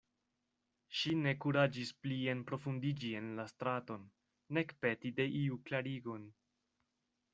Ŝi ne kuraĝis pli enprofundiĝi en la straton, nek peti de iu klarigon.